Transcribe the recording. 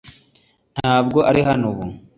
Ntabwo ari hano ubu .